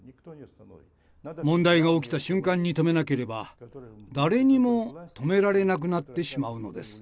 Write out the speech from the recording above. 問題が起きた瞬間に止めなければ誰にも止められなくなってしまうのです。